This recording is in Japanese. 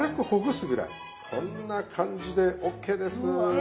こんな感じでＯＫです。